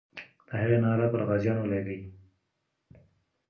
د هغې ناره پر غازیانو لګي.